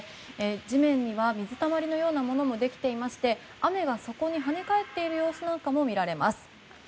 地面には水たまりのようなものもできていまして雨が跳ね返っている様子も見受けられます。